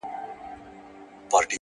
علم د ناپوهۍ پر وړاندې سپر دی!.